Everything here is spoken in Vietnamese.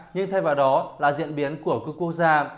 nhưng thay vào đó là diễn biến của các quốc gia